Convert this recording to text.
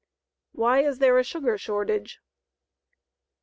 WHY IS THERE A SUGAR SHORTAGE?